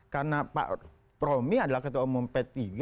karena pak promi adalah ketua umum p tiga